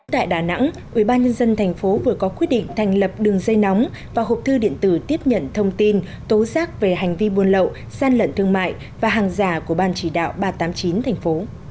tại đà nẵng ubnd tp vừa có quyết định thành lập đường dây nóng và hộp thư điện tử tiếp nhận thông tin tố giác về hành vi buôn lậu gian lận thương mại và hàng giả của ban chỉ đạo ba trăm tám mươi chín thành phố